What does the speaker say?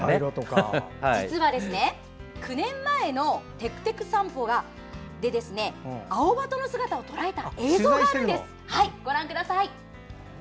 実は９年前の「てくてく散歩」でアオバトの姿をとらえた映像があるんです。